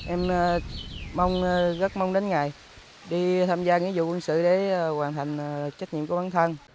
em mong rất mong đến ngày đi tham gia nghĩa vụ quân sự để hoàn thành trách nhiệm của bản thân